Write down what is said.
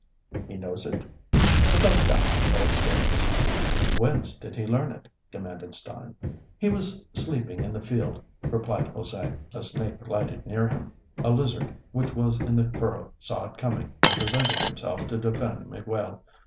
"He knows it?" "Without doubt, by experience." "Whence did he learn it?" demanded Stein. "He was sleeping in the field," replied José. "A snake glided near him. A lizard, which was in the furrow, saw it coming, and presented himself to defend Miguel.